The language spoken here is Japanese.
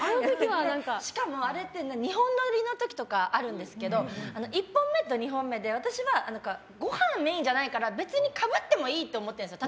しかもあれって２本撮りの時とかあるんですけど１本目と２本目で私は、ごはんメインじゃないから別にかぶってもいいと思ってるんです。